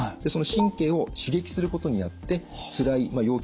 その神経を刺激することになってつらいまあ